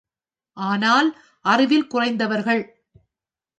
ஆனால் அறிவில் குறைந்தவர்கள்.